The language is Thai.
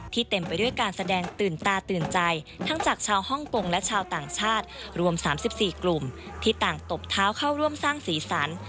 เต็มไปด้วยการแสดงตื่นตาตื่นใจทั้งจากชาวฮ่องกงและชาวต่างชาติรวม๓๔กลุ่มที่ต่างตบเท้าเข้าร่วมสร้างสีสัน